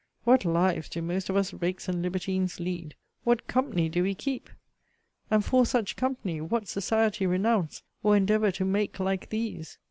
what lives do most of us rakes and libertines lead! what company do we keep! And, for such company, what society renounce, or endeavour to make like these!